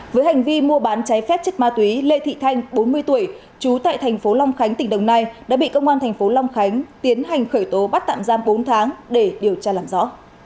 với hành vi mua bán cháy phép chất ma túy lê thị thanh bốn mươi tuổi trú tại thành phố long khánh tỉnh đồng nai đã bị công an thành phố long khánh tiến hành khởi tố bắt tạm giam bốn tháng để điều tra làm rõ